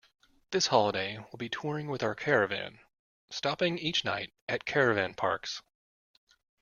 This holiday we’ll be touring with our caravan, stopping each night at caravan parks